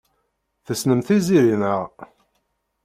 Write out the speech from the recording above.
Tessnemt Tiziri, naɣ?